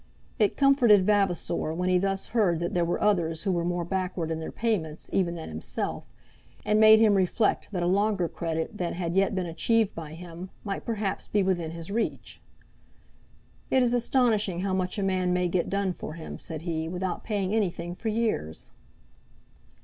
It comforted Vavasor when he thus heard that there were others who were more backward in their payments, even than himself, and made him reflect that a longer credit than had yet been achieved by him, might perhaps be within his reach. "It is astonishing how much a man may get done for him," said he, "without paying anything for years."